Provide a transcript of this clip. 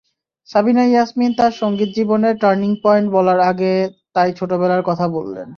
সাবিনা ইয়াসমিন তাঁর সংগীতজীবনের turning point বলার আগে তাই ছোটবেলার কথা বললেন।